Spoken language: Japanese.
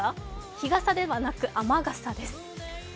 日傘ではなく雨傘です。